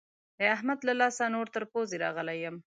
د احمد له لاسه نور تر پوزې راغلی يم.